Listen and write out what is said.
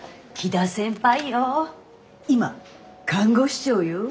今看護師長よ。